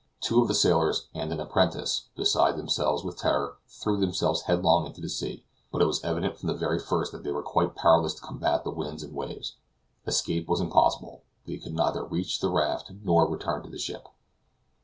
Two of the sailors and an apprentice, beside themselves with terror, threw themselves headlong into the sea; but it was evident from the very first they were quite powerless to combat the winds and waves. Escape was impossible; they could neither reach the raft nor return to the ship.